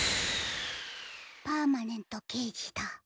パーマネントけいじだ。